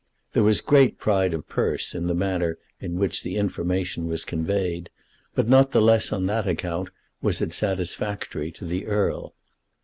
There was great pride of purse in the manner in which the information was conveyed; but not the less on that account was it satisfactory to the Earl.